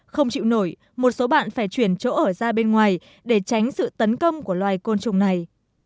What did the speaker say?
không chịu nổi một số bạn phải chuyển chỗ ở ra bên ngoài để tránh sự tấn công của loài côn trùng này